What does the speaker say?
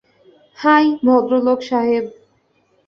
High, ভদ্রলোক সাহেব।